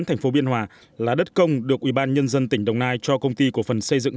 thành phố biên hòa là đất công được ủy ban nhân dân tỉnh đồng nai cho công ty của phần xây dựng